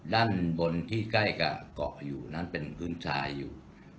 ด้านบนที่ใกล้กับเกาะอยู่นั้นเป็นพื้นชายอยู่